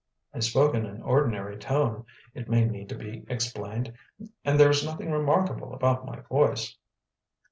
(I spoke in an ordinary tone, it may need to be explained, and there is nothing remarkable about my voice).